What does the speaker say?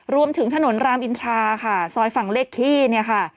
รวมถึงถนนรามอินทราค่ะซอยฝั่งเลขขี้เนี่ยค่ะ